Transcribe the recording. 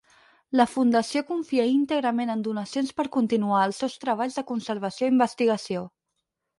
La Fundació confia íntegrament en donacions per continuar els seus treballs de conservació i investigació.